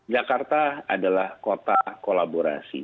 jakarta adalah kota kolaborasi